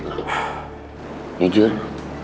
gua gak terima